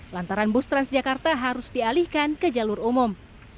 lantaran bus transjakarta harus dialihkan ke jalur umum